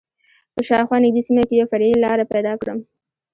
په شا او خوا نږدې سیمه کې یوه فرعي لاره پیدا کړم.